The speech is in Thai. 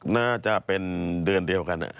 น่าจะเป็นเดือนเดียวกัน